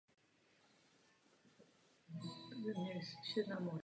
Hospodářská krize ovlivnila míru zaměstnanosti mladých absolventů velmi negativním způsobem.